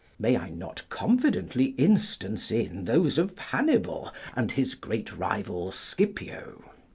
May I not confidently instance in those of Hannibal and his great rival Scipio?